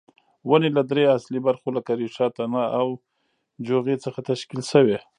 ونې له درې اصلي برخو لکه ریښه، تنه او جوغې څخه تشکیل شوې.